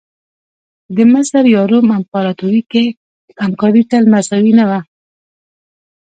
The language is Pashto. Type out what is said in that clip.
د مصر یا روم امپراتوري کې همکاري تل مساوي نه وه.